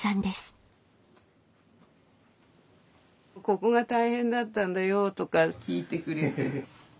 ここが大変だったんだよとか聞いてくれて。